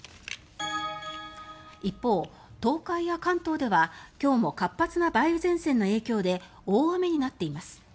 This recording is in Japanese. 一方、東海や関東では今日も活発な梅雨前線の影響で大雨になっています。